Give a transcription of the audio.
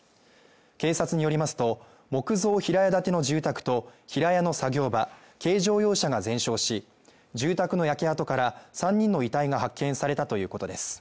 警察によりますと、木造平屋建ての住宅と平屋の作業場、軽乗用車が全焼し、住宅の焼け跡から３人の遺体が発見されたということです。